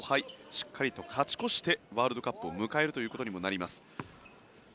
しっかりと勝ち越してワールドカップを迎えるということにもなります。